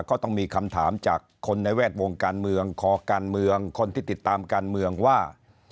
ก็ต้องมีคำถามจากคนในแวดวงการเมืองคอการเมืองคนที่ติดตามการเมืองว่า